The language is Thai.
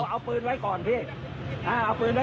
อ่าเอาปืนไว้ก่อนพี่เอาปืนเอาปืนออกมา